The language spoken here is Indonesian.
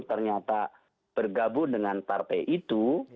ternyata bergabung dengan partai itu